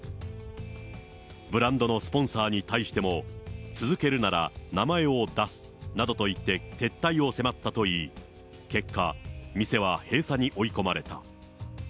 ブランドのスポンサーに対しても続けるなら名前を出すなどと言って撤退を迫ったといい、結果、店は閉鎖に追い込まれた。